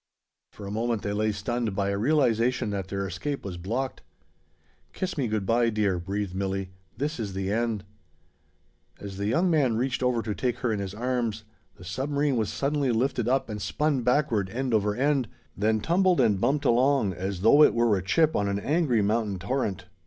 For a moment they lay stunned by a realization that their escape was blocked. "Kiss me good by, dear," breathed Milli. "This is the end." As the young man reached over to take her in his arms, the submarine was suddenly lifted up and spun backward, end over end: then tumbled and bumped along, as though it were a chip on an angry mountain torrent.